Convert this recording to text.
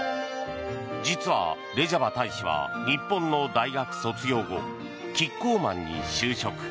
実は、レジャバ大使は日本の大学卒業後キッコーマンに就職。